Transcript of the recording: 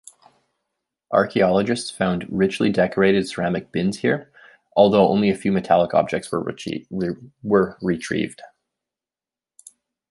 Archaeogolists found richly decorated ceramic bins here, although only few metallic objects were retrieved.